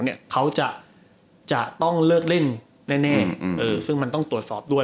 เนี่ยเขาจะจะต้องเลือกเล่นแน่อืมอืมเออซึ่งมันต้องตรวจสอบด้วย